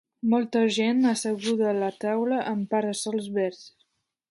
Molta gent asseguda a la taula amb para-sols verds.